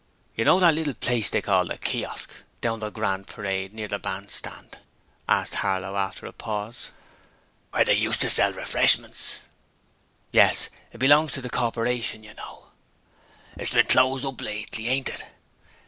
'You know that little place they call the "Kiosk" down the Grand Parade, near the bandstand,' asked Harlow after a pause. 'Where they used to sell refreshments?' 'Yes; it belongs to the Corporation, you know.' 'It's been closed up lately, ain't it?'